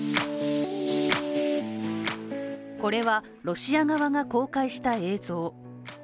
これは、ロシア側が公開した映像。